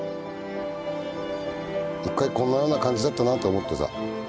一回こんなような感じだったなと思ってさ。